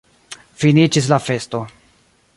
Finiĝis la festo.